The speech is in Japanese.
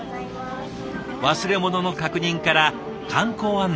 忘れ物の確認から観光案内まで。